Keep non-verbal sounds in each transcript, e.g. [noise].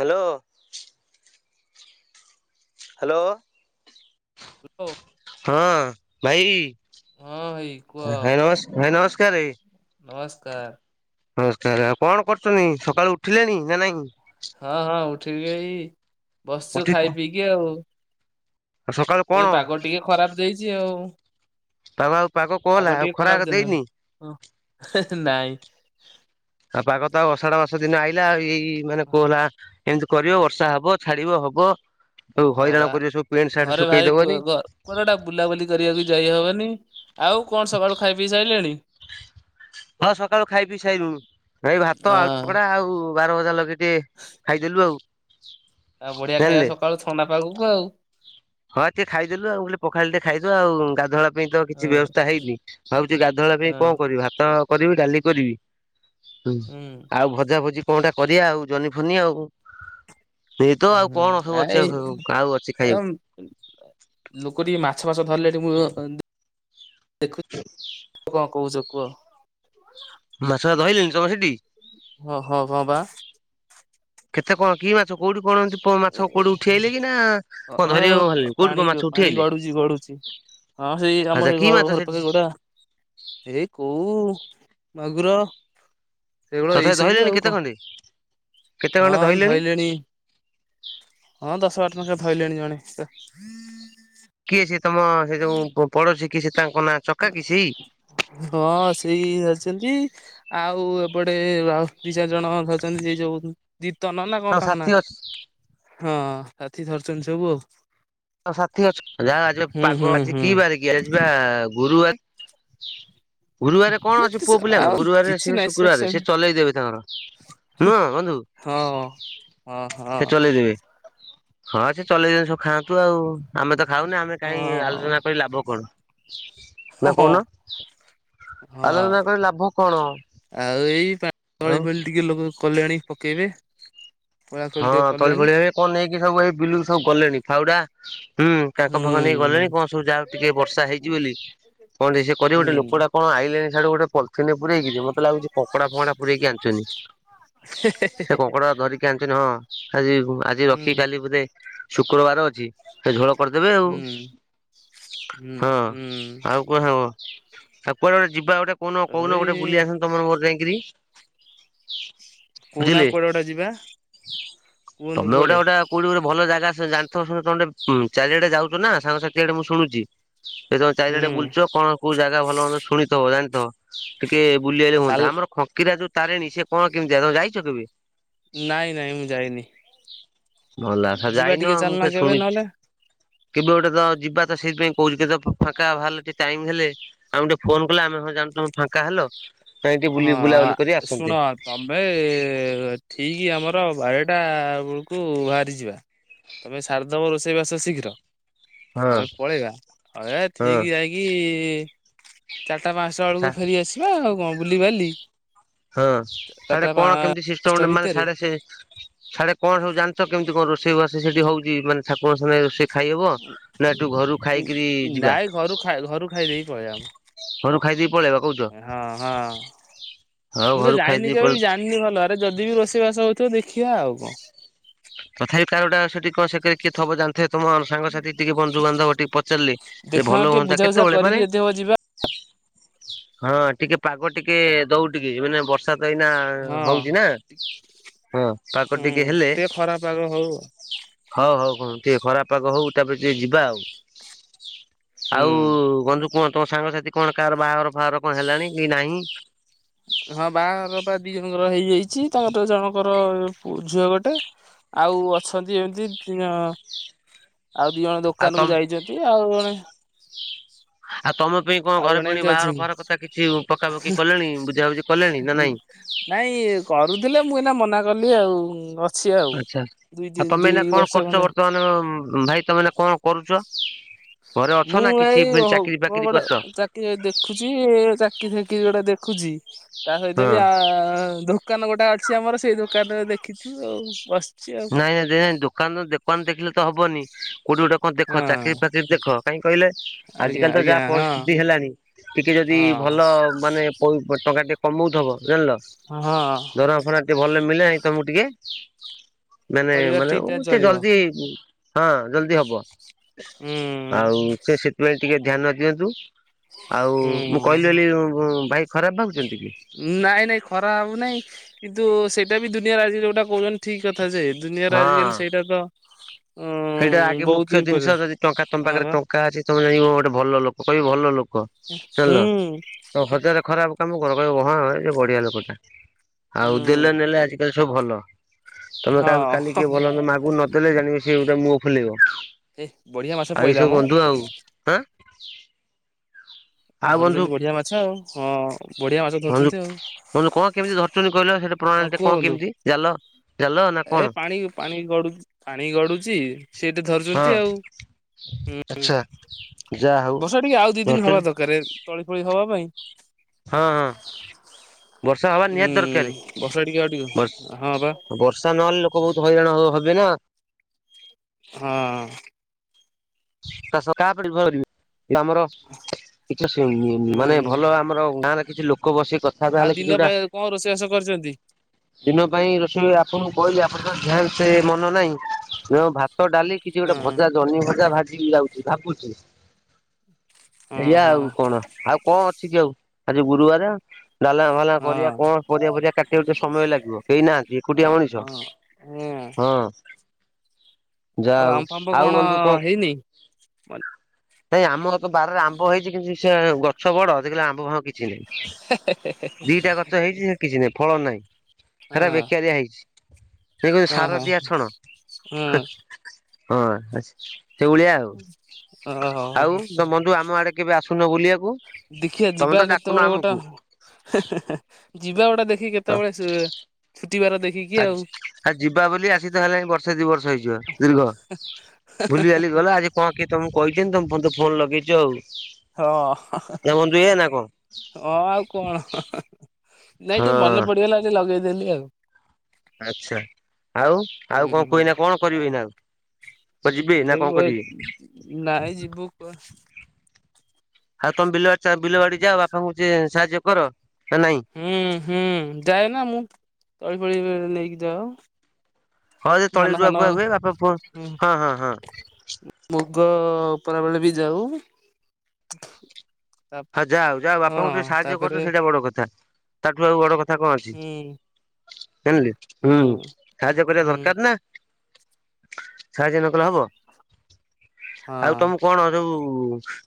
Hello. Hello. ହଉ, ହଁ ଭାଇ ହଁ ଭାଇ କୁହ ଭାଇ ନମସ ଭାଇ ନମସ କାରେ। ନମସ୍କାର। ନମସ୍କାର ଆଉ କଣ କରୁଛନ୍ତି? ସକାଳୁ ଉଠିଲେଣି ନା ନାଇଁ। ହଁ ହଁ ଉଠିକି ଏଇ ବସିଛୁ ଖାଇ ପିଇକି ଆଉ ସକାଳୁ କଣ ଏଇ ପାଗ ଟିକେ ଖରାପ ଦେଇଛି ଆଉ ପାଗ ଆଉ ପାଗ କୋହଲା ଆଉ ଟିକେ ଖରା ଖରାପ ଦେ ହଁ ଦେଇନି ନାଇଁ। ଆଉ ପାାଗ ତ ଆଉ ଅଷାଢ ମାସ ଦିନ ଆଇଲା। ଏଇ ମାନେ କୋହଲା ଏମିତି କରିବ ବର୍ଷା ହବ ଛାଡିବ ହବ। ଆଉ ହଁ ହଇରାଣ ବା କରିବ ସବୁ ପେଣ୍ଟ ସାର୍ଟ ଘରେ ଶୁଖେଇ ଭାରି ଦବନି କୁଆଡେ ଗୋଟେ ବୁଲାବୁଲି କରିବାକୁ ଯାଇ ହବନି। ଆଉ କଣ ସକାଳୁ ଖାଇ ପିଇ ସାଇଲେଣି? ହଁ ସକାଳୁ ଖାଇ ପିଇ ସାଇଲୁଣୁ। ଏଇ ଭାତ, ଆଳୁ ହଁ ଚକଡା ଆଉ ବାରମଜା ଲଗେଇ ଟେ ଖାଇଦେଲୁ ଆଉ ଆ ବଢିଆ ଜାଣିଲେ। ଖାଇବା ସକାଳୁ ଥଣ୍ଡା ପାାଗକୁ ଆଉ ହଁ ଏତିକି ଖାଇଦେଲୁ ଆଉ ମୁଁ କହିଲି ପଖାଳ ଟେ ଖାଇଦେବା ଆଉ ଗାଧୁଆଳ ପାଇଁ ତ କିଛି ହଁ ବ୍ୟବସ୍ଥା ହେଇନି ଭାବୁଛି ଗାଧୁଆ ହଁ କଣ କରିବି ଭାତ କରିବି ଡାଲି କରିବି ହୁଁ ଆଉ ଭଜା ଭଜି କଣଟା କରିବା ଆଉ ଜହ୍ନି ଫନି ଆଉ। ଏଇ ତ ଆଉ ହୁଁ କଣ ଆ ସବୁ ଅଛି ଏଇ ଆଉ ଖାଇବାକୁ ଆଉ ଅଛି ଖାଇବାକୁ? ଏମ୍, ଲୋକ ଟିକେ ମାଛ ଫାଛ ଧରିଲେ ଏଠି ମୁଁ ଦେଖୁ। କଣ କହୁଛ କୁହ? ମାଛ ଧଇଲେଣି ତମ ସେଠୀ। ହ ହଁ ହଁ ବା କେତେ କଣ କି ମାଛ? କୋଉଠି କଣ ଏମିତି ମାଛ କୋଉଠି ଉଠି ଆଇଲେ କି ନା ଓ କଣ ଧରିବାକୁ ଓ ବାହାରିଲେଣି କୋଉଠି ପାଣି କଣ କି ମାଛ ଯିବ ଉଠି ପାଣି ଆଇଲେ? ଗଡୁଛି ଗଡୁଛି। ହଁ ସେଇ ଆମ ଆଚ୍ଛା ସେଇ କି ଘର ମାଛ ଘର ସେଠି ପାଖରେ ଗୋଟା ଏଇ କଉ ମାଗୁର। ସେଗୁଡା ଏଇ ତଥାପି ସବୁ ଧଇଲେଣି ଆଉ କେତେ କଣ ଖଣ୍ଡେ କେତେ ଖଣ୍ଡେ ଧଇଲେଣି? ହଁ ଦଶ ଆଠ ନେଖା ଧଇଲେଣି ଜଣେ। କିଏ ସିଏ ତମ ସେ ଯୋଉ ପଡୋଶୀ କିଏ ସେ ତାଙ୍କ ନାଁ ଚକା କି ସେଇ ହଁ ସେଇ ଆସିଛନ୍ତି। ଆଉ ଏପଟେ ଦି ଚାରି ଜଣ ଧରିଛନ୍ତି ଯେ ଯୋଉ ଦିତନ ନା କଣ ତାଙ୍କ ସାଥୀ ନା ଅଛି ହଁ ରାତିକି ଧରିଛନ୍ତି ସବୁ ଆଉ। ସାଥିୀ ଅଛ ଯା ଆଜି ହୁଁ ପାଗ ହୁଁ ଆଜି ହୁଁ କି ବାର କି ଆଜି ପା ଗୁରୁବାର। [unintelligible] ଗୁରୁବାରେ କଣ ଅଛି ପୁଅ ଆଉ ପିଲାଙ୍କର ଗୁରୁବାରେ କିଛି ସେ ନାହିଁ ଶୁକ୍ରବାରେ ସେ ସେମିତି ଚଲେଇଦେବେ ତାଙ୍କର। ନୁହଁ ବନ୍ଧୁ ହଁ ହ ସେ ହଁ ଚଲେଇଦେବେ। ହଁ ସେ ଚଲେଇ ସ ଖା ତୁ ଆଉ ଆମେ ତ ଖାଉନୁ ଆମେ କାଇଁ ଆଲୋଚନା ହଁ କରିକି ଲାଭ କଣ। ନା ହଁ କହୁନ? ହଁ ଆଲୋଚନା କରି ଲାଭ କଣ ଆଉ। କଲେଣୀ ପକେଇବେ। ତଳା ହଁ ଟିକେ ତଳି କଲେଣି ଫଳିଆ କଣ ନେଇକି ସବୁ ଏଇ ବିଲୁକୁ ସବୁ ଗଲେଣି ଫାଉଡା। ହୁଁ କାଙ୍କ ହୁଁ ଫାଙ୍କ ନେଇକି ଗଲେଣି କଣ ସବୁ ଯାହଉ ଟିକେ ବର୍ଷା ହେଇଛି ବୋଲି। କଣଟେ ସେ କରିବ ଗୋଟେ ହୁଁ। ଲୋକଟା କଣ ଆଇଲାଣି ସିଆଡୁ ଗୋଟେ। ଥିନ ପୁରରେଇକି ଯେ ମତେ ଲାଗୁଛି କଙ୍କଡା ଫଙ୍କଡା ପୁରରେଇକି ଆଣିଚନ୍ତି ସେ କଙ୍କଡା ଧରିକି ଆଣିଚନ୍ତି ହଁ ଆଜି ଆଜି ହୁଁ ରଖିକି କାଲିକି ବୋଧେ ଶୁକ୍ରବାର ଅଛି ସେ ଝୋଳ କରିଦେବେ ଆଉ ହୁଁ ହୁଁ ହଁ ହୁଁ ଆଉ କଣ ହବ। ଆଉ କୁଆଡେ ଗୋଟେ ଯିବା ଗୋଟେ କହୁନ ତଥାପି କହୁନ ଗୋଟେ ବୁଲି ଆସନ୍ତେ ତମର ମୋର ଯାଇକରି? କୋହୁନା କୁଆଡେ ଗୋଟେ ଯିବା? କୁହନ୍ତୁ ତମେ ଗୋଟେ କୁଆଡେ ଗୋଟେ କୋଉଠି ଗୋଟେ ଭଲ ଜାଗା ଜାଣିଥିବ ତମେ ଚାରିଆଡେ ଯାଉଛ ନା ସାଙ୍ଗସାଥିଆଡେ ମୁଁ ଶୁଣୁଛି। ସେ ତମ ଚାରିଆଡେ ହୁଁ ବୁଲୁଚ କଣ କୋଉ ଜାଗା ଭଲ ମନ୍ଦ ଶୁଣିଥିବ ଜାଣିଥିବ କି ଟିକେ ବୁଲି ଆଇଲେ ଚାଲ ହୁଅନ୍ତା। ଆମର ଖଙ୍କିରା ଯୋଉ ତାରେଣି ସେ କଣ କେମିତିକା ତମେ ଯାଇଛ କେବେ? ନାଇଁ ନାଇଁ ମୁଁ ଯାଇନି। ଗଲା ସ ଯିବା ଯାଇନ ଟିକେ ମୁଁ ଚାଲୁନା ଖାଲି କେବେ ଶୁଣିଛି। ନହେଲେ କେବେ ଗୋଟେ ତ ଯିବା ତ ସେଇଥିପାଇଁ କହୁଛି କେତେବେଳେ ଫାଙ୍କା ବାହାରିଲେ ଟାଇମ୍ ହେଲେ ଆମକୁ ଟିକେ ଫୋନ କଲେ ଆମେ ହଁ ଯା ତମେ ଫାଙ୍କା ହେଲ? କାଇଁ ଟିକେ ବୁଲି ବୁଲାବୁଲି କରି ହଁ ଆସନ୍ତେ। ଶୁଣ ତମେ ଠିକ ଆମର ର ବାରଟା ବେଳକୁ ବାହାରିଯିବା ତମେ ସାରିଦେବ ରୋଷେଇ ବାସ ଶୀଘ୍ର ହଁ ଆମେ ପଳେଇବା ଠିକ ହଁ ଯାଇକି ଚାରିଟା ପାଞ୍ଚଟା ସା ବେଳକୁ ଫେରି ଆସିବା ଆଉ କଣ ବୁଲିବାଲି ହଁ ଚାରିଟା ସିଆଡେ ପା କଣ କେମିତି ପାଞ୍ଚଟା ସିଷ୍ଟମ୍ ମାନେ ଭିତରେ ସାଡେ ସିଆଡେ କଣ ସବୁ ଜାଣିଛ କେମିତି କଣ ରୋଷେଇବାସ ସେଠି ହଉଛି ମାନେ ଠାକୁର ସେଣେ ରୋଷେଇ ଖାଇହବ ନା ଏଠୁ ଘରୁ ଖାଇକିରି ଯିବା? ନାଇଁ ଘରୁ ଖାଇ ଘରୁ ଖାଇଦେଇକି ପଳେଇବା ଘରୁ ଖାଇଦେଇ ପଳେଇବା କହୁଛ। ହଁ ହଁ। ହଉ ମୁଁ ତ ଘରୁ ଯାଇନି ଖାଇଦେଇ କେବେ ପଳେ ବି ଜାଣିନି ଭଲରେ ଯଦି ବି ରୋଷେଇବାସ ହଉଥିବ ଦେଖିବା ଆଉ କଣ। ତଥାପି କାହାର ଟା ସେଠି କଣ ସେକରେ କିଏ ଥବ ଜା ସେ ତମ ସାଙ୍ଗସାଥି ଟିକେ ବନ୍ଧୁବାନ୍ଧବ ଟିକେ ପଚାରିଲି ଦେଖିବା ଭଲ ଟିକେ ହୁଅନ୍ତା ବୁଝାବୁଝା କେତେବେଳେ କରିକି ମାନେ [unintelligible] ହଁ ଟିକେ ପାଗ ଟିକେ ଦଉ ଟିକେ ମାନେ ବର୍ଷା ଏଇନା ହଁ ହଉଛି ନା ହଁ ପାଗ ହୁଁ ଟିକେ ହେଲେ ଖରା ପାଗ ହଉ ହଉ ହଉ ହ ଟିକେ ଖରା ପାଗ ହଉ ତାପରେ ଟିକେ ଯିବା ଆଉ। ହୁଁ। ଆଉ ବନ୍ଧୁ କୁହ ତମ ସାଙ୍ଗସାଥି କଣ କାହାର ବାହାଘର ଫାଘର କଣ ହେଲାଣି କି ନାହିଁ ହଁ ବାହାଘର ବା ଦି ଜଣଙ୍କର ହେଇଯାଇଛି। ତାଙ୍କର ଜଣଙ୍କର ପୁ ଝିଅ ଗୋଟେ। ଆଉ ଅଛନ୍ତି ଏମିତି ତିଆ ଆଉ ଦି ଜଣ ଆଉ ଦୋକାନ ତମ କୁ ଯାଇଛନ୍ତି। ଆଉ ଜଣେ ଆଉ ତମେ? ସେଥିପାଇ କଣ ଆଉ ଘରେ ଜଣେ ପୁଣି ଏମିତି ବାହାର ବାହାର ଅଛି କଥା କିଛି ପକାପକି କଲେଣି ବୁଝାବୁଝି କଲେଣି ନା ନାଇଁ? ଏ କରୁଥିଲେ ମୁଁ ଏଇନା ମନା କଲି ଆଉ ଅସ ଆଛା ଆଉ ତମେ ଏଇନା କଣ କରୁଛ ଖଣ୍ଡେ ବର୍ତ୍ତମାନ ଭାଇ? ତମାନେ କଣ କରୁଛ? ଘରେ ଅଛ ମୁଁ ନା କିଛି ଏଇ କ ଚାକିରି କଣ ଫାକିରି ଗୋଟେ କରିଛ? ଚାକିରି ବାକ୍ ଦେଖୁଛି ଚାକିରି ଫାକିରି ଗୋଟେ ଦେଖୁଛି। ତା ସହିତ ହଁ। ବି ଆ ଦୋକାନ ଗୋଟେ ଅଛି ଆମର ସେଇ ଦୋକାନରେ ଦେଖି ଚି ଆଉ ବସ୍ ନାଇଁ ନାଇଁ ଯେ ଦୋକାନ ଦୋକାନ ଦେଖିଲେ ତ ହବନି କୋଉଠି ଗୋଟେ କଣ ଦେଖ ହଁ ଚାକିରି ଫାକିରି ଦେଖ। କାହିଁ କହିଲେ ଆଜ୍ଞା ଆଜିକାଲି ତ ଆଜ୍ଞା ଯାହା ହଁ ପରିସ୍ଥିତି ହେଲାଣି ଟିକେ ଯଦି ଭଲ ମାନେ ପଇ ଟଙ୍କା ଟେ କମଉ ଥବ ଜାଣିଲ ହଁ ହଁ ଦରମା ଫରମା ଟିକେ ଭଲରେ ମିଳିଲାଣି ତମକୁ ଟିକେ ମାନେ ପରିବାର ମାନେ ଠିକ୍ ଉଁ ଠାକ୍ ସେ ଚଳିବ ଜଲଦି ହଁ ଜଲଦି ହବ। ହୁଁ ଆଉ ସେ ସେଥିପାଇଁ ଟିକେ ଧ୍ୟାନ ଦିଅନ୍ତୁ। ଆଉ ମୁଁ କହିଲି ହୁଁ ବୋଲି ଉଁ ଉଁ ଭାଇ ଖରାପ ଭାବୁଛନ୍ତି? କି ନାଇଁ ନାଇଁ ଖରା ଭାବୁ ନାଇଁ କିନ୍ତୁ ସେଇଟା ବି ଦୁନିଆରେ ଆଜି ଯୋଉଟା କହୁଛନ୍ତି ଠିକ କଥା ହଁ ଯେ ଦୁନିଆର ହଁ ଆଜିକାଲି ସେଇଟା ତ ସେଇଟା ଉଁ ଆଗେ ବହୁତ ମୁଖ୍ୟ ଜିନିଷ ଇମ୍ପୋର୍ଟାଣ୍ଟ ଯଦି ଟଙ୍କା ତମ ହଁ ପାଖରେ ବା ଟଙ୍କା ଅଛି ତମେ ଜାଣିବ ଗୋଟେ ଭଲ ଲୋକ କହିବି ଭଲ ଲୋକ କ ହୁଁ ଜାଣିଲ ତମେ ହଜାରେ ଖରାପ କାମ କର କହିବେ ହଁ ଇଏ ବଢିଆ ଲୋକଟା। ଆଉ ହୁଁ। ଦେଲେ ନେଲେ ଆଜିକାଲି ସବୁ ଭଲ ତମେ କାହାକୁ କାଲି ହଁ କିଏ ଭଲ ମନ୍ଦ ମାଗୁ ନ ଦେଲେ ଜାଣିବ ସେ ଗୋଟା ମୁହ ଫୁଲେଇବ ଏ ବଢିଆ ମାଛ ଆଉ ଏ ପଇଲା ସବୁ ମ ବନ୍ଧୁ ଆଉ ହାଁ ବନ୍ଧୁ ଧରୁଛନ୍ତି ବଢିଆ ମାଛ ଆଉ ହଁ ବଢିଆ ମାଛ ବନ୍ଧୁ ଧରୁଛନ୍ତି ଆଉ। ଟେ ହଁ ପ୍ରଣାଳୀ ଟା କୁହ କଣ ବନ୍ଧୁ। କେମିତି? ଜାଲ ଜାଲ ନା କଣ ଏ ପାଣି ପାଣି ଗଡୁ ପାଣି ଗଡୁଛି ସେଟେ ହଁ ଧରୁଛନ୍ତି ଆଉ। ହୁଁ ଆଚ୍ଛା ଯାହା ହଉ ବର୍ଷା ଟିକେ ଆଉ ଦି ଦିନ ହବା ଧରିଛନ୍ତି ଦରକ ତଳି ଫଳି ହବା ପାଇଁ। ହଁ ହଁ। ବର୍ଷା ହବା ହୁଁ ନିହାତି ଦରକାର ବର୍ଷା ଟିକେ ଆଉ ଟିକେ ହଁ ବା ବର ବର୍ଷା ନହେଲେ ଲୋକ ବହୁତ ହଇରାଣ ହେବେ ନା। ହଁ। ତସ କାପଡି ଭରିବ। ଆମର କିଛି ମାନେ ହୁଁ ଭଲ ଆମର ଗାଁରେ କିଛି ଲୋକ ବସିକ ଆଉ ଦିନ ପାଇଁ କଣ ରୋଷେଇବାଷ କରିଛ? ଦିନ ପାଇଁ ରୋଷେଇ ଆପଣଙ୍କୁ କହିଲି ଆପଣଙ୍କ [unintelligible] ସେ ମନ ନାହିଁ। ମୁ ଭାତ ଡାଲି କିଛି ହଁ ଗୋଟେ ଭଜା ଜହ୍ନି ଭଜା ଭାଜି ଯାଉଛି ଭାବୁଛି। ହଁ ଏଇଆ ହଁ ଆଉ କଣ ଆଉ କଣ ଅଛି କି ଆଉ ଆଜି ଗୁରୁବାର। ଡାଲା ଭାଲା କରିବା କଣ କରିବାଆ କାଟିବା ସମୟ ଲାଗିବ କେହି ନାହାନ୍ତି ଏ ହଁ କୋଟିଆ ମଣିଷ। ହଁ। ହୁଁ ହଁ। ଯାହା ଆଉ ହଉ ଆମ୍ବ ଫାମ୍ବ ଆଉ କଣ ବନ୍ଧୁ ହେଇନି? ଭାଇ ଆମର ତ ବାରିରେ ଆମ୍ବ ହେଇଛି କିନ୍ତ ସେ ଗଛ ବଡ ଦେଖିଲା ବେଳକୁ ଆମ୍ବ ଫାମ୍ୱ କିଛି କିଛି ନାଁ ଦିଟା ଗଛ ହେଇଛି ସେ କିଛି ନାହିଁ ଫଳ ନାହିଁ। ହେରା ହଁ ବେକାରିିଆ ହେଇଛି। ସେ କହୁଛି ସାର ହଁ ଦିଆ ଛଣ। ହଁ ସେ ଭଳିଆ ଆଉ ହଁ ଓହୋ ହୋ ଆଉ ତ ବନ୍ଧୁ ଆମ ଆଡେ କେବେ ଆସୁ ଶୁନ ବୁଲିବାକୁ? ଦେଖିବା ତମେ ତ ଯିବା ଡାକୁନ କେତେବେଳେ ଗୋଟେ ଆମକୁ ହେ ହେ ହେ ଯିବା ଗୋଟେ ଦେଖ ତ କେତେବେଳେ ସେ ଛୁଟିବାର ଦେଖିକି ଆ ଆଉ ଆ ଯିବା ବୋଲି ଆସି ତ ହେଲେଣି ବର୍ଷେ ଦି ବର୍ଷ ହେଇଯିବ ଦୀର୍ଘ। ଭୁଲି ବାଲି ଗଲ ଆଜି କଣ କିଏ ତମକୁ କହିଛନ୍ତି ତମ ମତେ ଫୋନ ଲଗେଇଛ ଆଉ। ହଁ ନା ବନ୍ଧୁ ଏଇଆ ନା କଣ ହଁ ଆଉ କଣ। ନାଇଁ ଟିକେ ମନେ ହଁ ପଡିଗଲା ଆଜି ଲଗେଇଦେଲି ଆଉ। ଆଚ୍ଛା ଆଉ ଆଉ କଣ କୁହ ଏଇନା କଣ କରିବି ଏଇନା ଆଉ? କୁଆଡେ ଯିବେ ନା କଣ କରିବେ? [inaudible] ନାଇ ଯିବୁ ଆଉ ତମେ ବିଲବାଡ଼ି ବିଲବାଡି ଯାଅ ବାପାଙ୍କୁ ଯେ ସାହାଯ୍ୟ କର? ନା ନାଇଁ ହୁଁ ହୁଁ ଯାଏ ନା ମୁଁ ତଳି ଫଳି ନେଇକି ଯାଏ ଆଉ। ହଁ ସେ ତଳି ରୁଆ ଫୁଆ ହୁଏ ବାପା ପ ହଁ ହଁ ହଁ। ଗ ଉପରା ବେଳେ ବି ଯାଉ। ତା ହଁ ଯାହଉ ଯାହଉ ବାପାଙ୍କୁ ହଁ ଟିକେ ସାହାଯ୍ୟ କରୁଛ ତାପରେ ସେଇଟା ବଡ କଥା ତାଠୁ ଆଉ ବଡ କଥା କଥା କଣ ହୁଁ ଅଛି ଜାଣିଲ ହୁଁ ସାହାଯ୍ୟ କରିବା ହୁଁ ଦରକାର ନା। ସାହାଯ୍ୟ ନ କଲେ ହବ ହଁ ଆଉ ତମ କଣ ଯୋଉ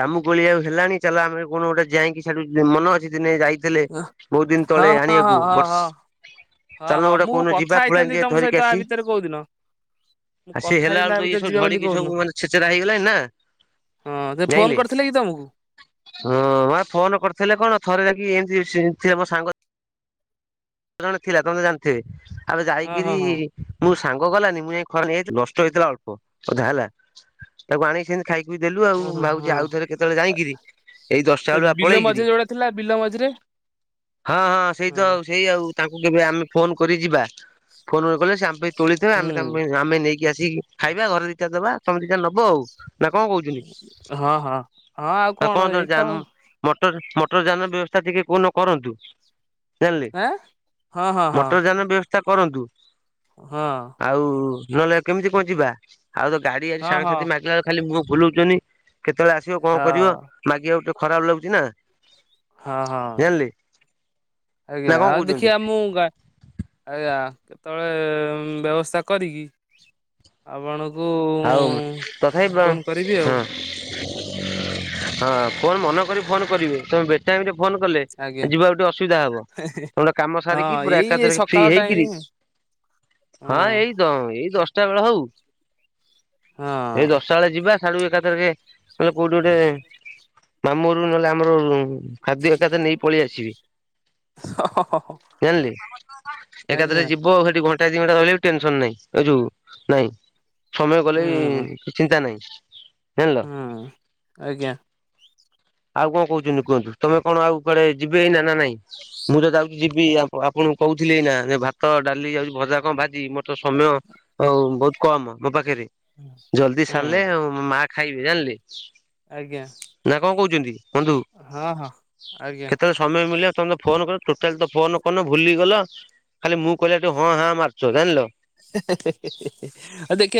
ଜାମୁ କୋଳି ଆଉ ହେଲାଣି ଚାଲ ଆମେ କଣ ଗୋଟେ ଯାଇକି ସେଠୁ ମନ ଅଛି ଦିନେ ଯାଇ ଥିଲେ ହଁ ବହୁତ ଦିନ ତଳେ ହଁ ହଁ ଆଣିବାକୁ ହଁ ହଁ। ବର୍ଷ ହଁ ଚାଲ ହଁ ଗୋଟେ ମୁଁ କଉଦିନ କଥା ଯିବା ହେଇଥାନ୍ତି ପୁଳାଏ ତମ ସହିତ ଧରିକି ଆ ଆସି ଭିତରେ କୋଉଦିନ। ମୁଁ ଆଉ ସିଏ କଥା ହେଲା ହେଇଥାନ୍ତି ତା ବେଳକୁ ତ ଇଏ ଭିତରେ ସବୁ ଯିବା ବୋଲି ଝଡିକି କୋଉଦିନ ସବୁ ମାନେ ଛେଚେରା ହେଇଗଲାଣିି ନା। ହଁ ସେ ଫୋନ ଜାଇଁଲେ କରିଥିଲେ କି ତମକୁ? ହଁ ମାନେ ଫୋନ କରିଥିଲେ କଣ ଥରେ ଯାଇକି ଏମିତି ସେ ମୋ ସାଙ୍ଗ ଜଣେ ଥିଲା ତମେ ତ ଜାଣିଥିବେ ଆବେ ହଁ ଯାଇକିରି ହଁ ହଁ ମୁଁ ସାଙ୍ଗ ଗଲାନି ମୁଁ ଯାଇ ଖରାରେ ନେଇ ଆସିଛି ନଷ୍ଟ ହେଇଥିଲା ଅଳ୍ପ ଅଧା ହେଲା ତାକୁ ଆଣିକି ଖାଇ ଖୁଇ ଦେଲୁ ଆଉ ହଁ ହଁ ଭାବୁଛି ହଁ ଆଉ ଥରେ କେତେବେଳେ ଯାଇକିରି ଏଇ ଦଶଟା ସେ ବେଳୁ ଆ ବିଲ ପଳେଇକିରି ମଝିରେ ଯୋଉଟା ଥିଲା [inaudible] ହଁ ହଁ ସେଇ ତ ଆଉ ସେଇ ଆଉ ତାଙ୍କୁ କେବେ ଆମେ ଫୋନ କରି ଯିବା ଫୋନ ନ କଲେ ସେ ଆମ ପାଇଁ ତୋଳିଥିବେ ହୁଁ ଆମେ ତାଙ୍କ ପାଇଁ ଆମେ ନେଇକି ଆସିକି ଖାଇବା ଘରେ ଦିଇଟା ଦବା ତମେ ଦିଇଟା ନେବ ଆଉ। ନା କଣ କହୁଛନ୍ତିୁ ହଁ ହଁ ହଁ ଆଉ ଆ କଣ ଏଇତ ଆଉ [inaudible] ଟର ମଟର ଯାନ ବ୍ୟବସ୍ଥା ଟିକେ କଣ କରନ୍ତୁ। ଏଁ ହଁ ହଁ ହଁ। ମଟର ଯାନ ବ୍ୟବସ୍ଥା କରନ୍ତୁ ଆଉ ନହେଲେ କେମିତି କଁ ଯିବା? ଆଉ ତ ଗାଡି ଆଜି ହଁ ହଁ ସାଙ୍ଗସାଥି ହଁ ମାଗିଲା ବେଳକୁ ଖାଲି ମୁହଁ ବୁଲଉଚନ୍ତି। କେତେବେଳେ ଆସିବ କଣ କରିବ ହଁ। ମାଗିବାକୁ ଟେ ଖରାପ ଲାଗୁଚି ନା। ହଁ ହଁ ଜାଣିଲେ ନା ଆଜ୍ଞା କଣ ଆଉ କହୁଛନ୍ତି ଦେଖିବା ମୁଁ ଗା ଆଜ୍ଞା। ଆ କେତେବେଳେ ଉଁ ବ୍ୟବସ୍ଥା କରିକି ଆପଣ ଆଉ ତଥାପି ପ କରିବି ଆଉ ହଁ। ହଁ ଫୋନ ମନ କରି ଫୋନ କରିବେ। ତମେ ବେଟାଇମରେ ଫୋନ କଲେ ଆଜ୍ଞା ଯିବାକୁ ଟିକେ ଅସୁବିଧା ହବ। ତମେ ଟିକେ କାମ ସାରିକି ହଁ ପୁରା ଏଇ ଏକାଥରକେ ଫ୍ରି ସକାଳ ହେଇକିରି ଟାଇମ ହଁ ଏଇ ତ ଏଇ ଦ ଶଟା ବେଳ ହଉ ଏ ହଁ ଦଶଟା ବେଳେ ଯିବା ସାଡୁ ଏକାଥରକେ ନହେଲେ କୋଉଠି ଗୋଟେ ମାମୁଁ ଘରକୁ ନହେଲେ ଆମର ଖାଦ୍ୟ ଏକାଥରେ ନେଇକି ପଳେଇ ଆସିବି। ଜାଣିଲେ ଆଜ୍ଞା ଏକାଥରେ ଯିବ ଆଉ ସେଠି ଘଣ୍ଟ ଘଣ୍ଟାଇ ଦିଘଣ୍ଟା ରହିଲେ ବି ଟେନସନ୍ ନାହିଁ। ଏ ଯୋଉ ନାଇଁ ସମୟ ଗଲେ ହୁଁ ବି ଚିନ୍ତା ନାହିଁ। ଜାଣିଲ। ହୁଁ ଆଜ୍ଞା। ଆଉ କଣ କହୁଚନ୍ତି କୁହନ୍ତୁ ତମେ କଣ ଆଉ କୁଆଡେ ଯିବେ ନା ନା ନାଇଁ। ମୁଁ ତ ଯାଇଚି ଯି ବି ଆପ-ଆପଣଙ୍କୁ କହୁଥିଲି ଏଇନା ଯେ ଭାତ, ଡାଲି ଯାଉଚି ଭଜା କଣ ଭାଜି ମୋର ତ ସମୟ ଅ ବହୁତ କମ ମୋ ପାଖରେ ଜଲ୍ଦି ହୁଁ ସାରିଲେ ଆଉ ମୋ ମାଆ ଖାଇବେ ଜାଣିଲେ? ଆଜ୍ଞା। ବୁଝୁଚନ୍ତି ବନ୍ଧୁ ହଁ ହଁ ଆଜ୍ଞା କେତେବେଳେ ସମୟ ମିଳିଲେ ତମେ ତ ଫୋନ କରୁନ ଟୋଟାଲି ତ ଫୋନ କରୁନ ଭୁଲି ଗଲ। ଖାଲି ମୁଁ କହିଲା ଠୁ ହଁ ହାଁ ମାରୁଚ ଜାଣିଲ? ଏ ହେ ହେ ହେ ଆଉ ଦେଖିଆ